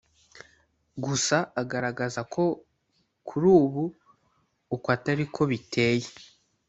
gusa agaragaza ko kuri ubu uku atari ko biteye